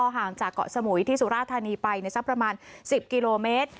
ห่างจากเกาะสมุยที่สุราธานีไปสักประมาณ๑๐กิโลเมตร